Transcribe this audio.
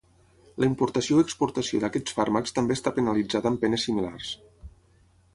La importació o exportació d'aquests fàrmacs també està penalitzada amb penes similars.